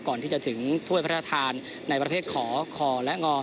ก่อนที่จะถึงถ้วยพระราชทานในประเภทขอคอและงอ